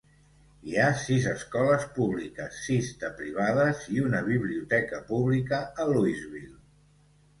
Hi ha sis escoles públiques, sis de privades i una biblioteca pública a Louisville.